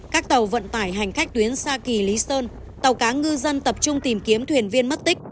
các tàu vận tải hành khách tuyến xa kỳ lý sơn tàu cá ngư dân tập trung tìm kiếm thuyền viên mất tích